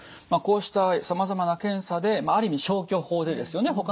こうしたさまざまな検査である意味消去法でですよね